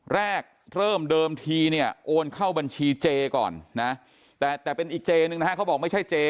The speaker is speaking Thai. เริ่มเดิมทีเนี่ยโอนเข้าบัญชีเจก่อนนะแต่เป็นอีกเจนึงนะฮะเขาบอกไม่ใช่เจ